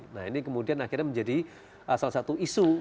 nah ini kemudian akhirnya menjadi salah satu isu